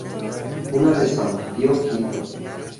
Cuna de san Pio V